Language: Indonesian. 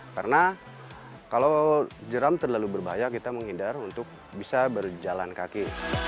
karena kalau jeram terlalu berbahaya kita menghindar untuk bisa berjalan kaki